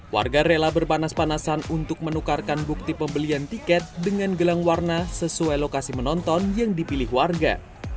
warga rela berpanas panasan untuk menukarkan bukti pembelian tiket dengan gelang warna sesuai lokasi menonton yang dipilih warga